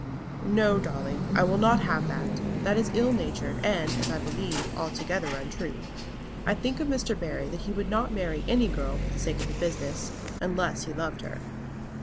"No, Dolly; I will not have that! that is ill natured, and, as I believe, altogether untrue. I think of Mr. Barry that he would not marry any girl for the sake of the business, unless he loved her."